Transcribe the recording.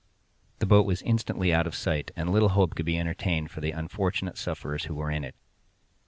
The boat was instantly out of sight, and little hope could be entertained for the unfortunate sufferers who were in it.